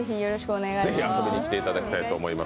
ぜひ遊びに来ていただきたいと思います。